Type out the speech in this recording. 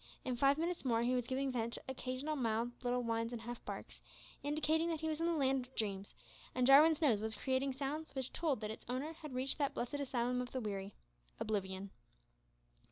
In five minutes more he was giving vent to occasional mild little whines and half barks, indicating that he was in the land of dreams, and Jarwin's nose was creating sounds which told that its owner had reached that blessed asylum of the weary oblivion.